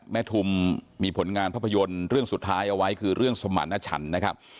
ทุมมีผลงานภาพยนตร์เรื่องสุดท้ายเอาไว้คือเรื่องสมรรถฉันนะครับ